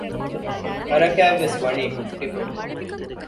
ހަރާކާތްވެސް ވަނީ ހުއްޓިފަ